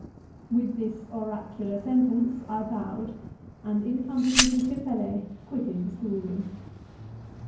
With this oracular sentence I bowed, and in company with M. Pelet quitted the school room.